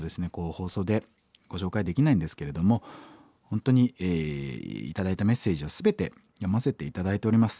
放送でご紹介できないんですけれども本当に頂いたメッセージは全て読ませて頂いております。